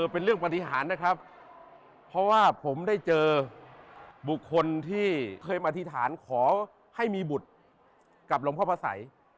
เป็นเรื่องปฏิหารนะครับเพราะว่าผมได้เจอบุคคลที่เคยมาอธิษฐานขอให้มีบุตรกับหลวงพ่อพระสัย